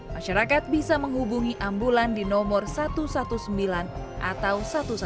masyarakat bisa menghubungi ambulan di nomor satu ratus sembilan belas atau satu ratus dua belas